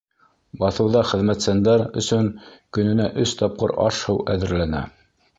Баҫыуҙа хеҙмәтсәндәр өсөн көнөнә өс тапҡыр аш-һыу әҙерләнә.